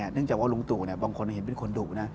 เนื่องจากว่าลุงตู่บางคนเห็นเป็นคนดุนะ